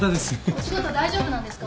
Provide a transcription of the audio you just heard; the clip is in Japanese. お仕事大丈夫なんですか？